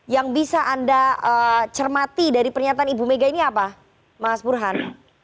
yang bisa anda cermati dari pernyataan ibu mega ini apa mas burhan